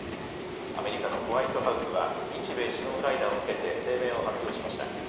アメリカのホワイトハウスは、日米首脳会談を受けて声明を発表しました。